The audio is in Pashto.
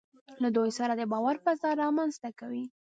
له دوی سره د باور فضا رامنځته کوي.